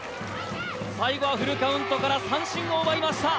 最後はフルカウントから三振を奪いました